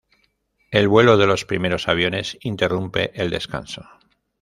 El vuelo de los primeros aviones interrumpe el descanso.